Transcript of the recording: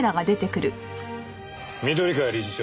緑川理事長